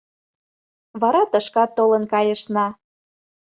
Вара тышкат толын кайышна.